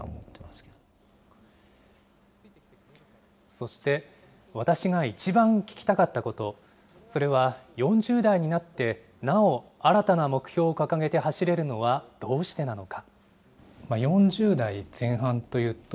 そして、私が一番聞きたかったこと、それは、４０代になってなお新たな目標を掲げて走れるのはどうしてなのか。